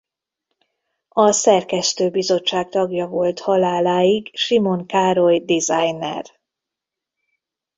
A szerkesztőbizottság tagja volt haláláig Simon Károly designer.